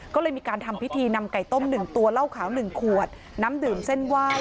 ก็เลยมีการทำพิธีนำไก่ต้ม๑ตัวเหล้าขาว๑ขวดน้ำดื่มเส้นไหว้